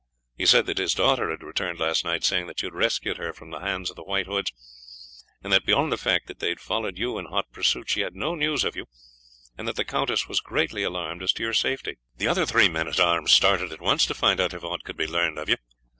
He said that his daughter had returned last night saying that you had rescued her from the hands of the White Hoods, and that beyond the fact that they had followed you in hot pursuit she had no news of you, and that the countess was greatly alarmed as to your safety. The other three men at arms started at once to find out if aught could be learned of you.